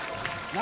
何？